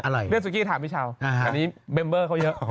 เรียกสุกี้ถามพี่เช้าอันนี้เบมเบอร์เขาเยอะ